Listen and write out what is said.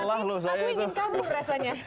aku ingin kabur rasanya